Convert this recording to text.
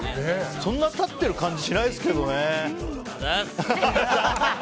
そんな経ってる感じしないですけどね。